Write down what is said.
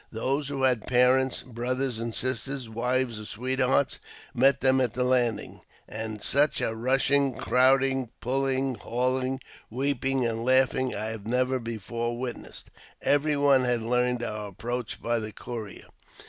Those who had parents, brothers and sisters, wives or sweethearts, met them at the landing ; and such a rushing, crowding, pulling, hauling, weeping, and laughing I had never before witnessed. Every one had learned our approach by the courier.